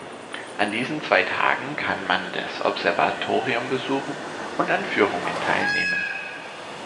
An diesen zwei Tagen kann man das Observatorium besuchen und an Führungen teilnehmen.